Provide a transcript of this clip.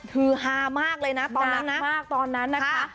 คือฮามากเลยนะตอนนั้นมากตอนนั้นนะคะ